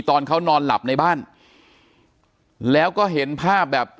ตอนเขานอนหลับในบ้านแล้วก็เห็นภาพแบบ